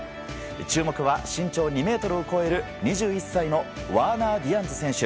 注目は身長２ｍを超える２１歳のワーナー・ディアンズ選手。